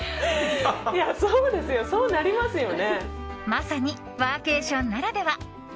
まさにワーケーションならでは。